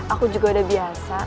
aku juga udah biasa